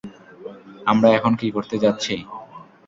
আমরা এখন কি করতে যাচ্ছি?